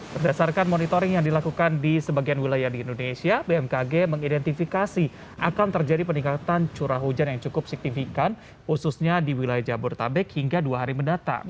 berdasarkan monitoring yang dilakukan di sebagian wilayah di indonesia bmkg mengidentifikasi akan terjadi peningkatan curah hujan yang cukup signifikan khususnya di wilayah jabodetabek hingga dua hari mendatang